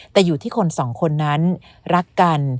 แต่อยู่ที่คนสองคนนั้นรักกัน